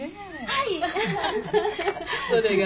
はい。